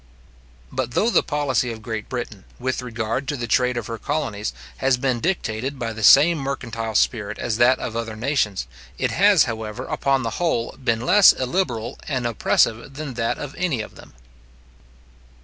But though the policy of Great Britain, with regard to the trade of her colonies, has been dictated by the same mercantile spirit as that of other nations, it has, however, upon the whole, been less illiberal and oppressive than that of any of them.